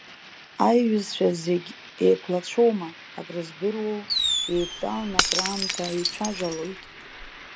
Аиҩызцәа зегь еиқәлацәоума, акрыздыруоу, иеидтәаланы акраамҭа еицәажәалоит.